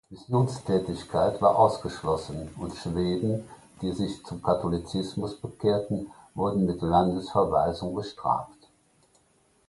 Missionstätigkeit war ausgeschlossen, und Schweden, die sich zum Katholizismus bekehrten, wurden mit Landesverweisung bestraft.